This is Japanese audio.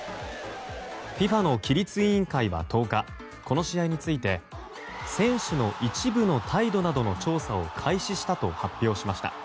ＦＩＦＡの規律委員会は１０日この試合について選手の一部の態度などの調査を開始したと発表しました。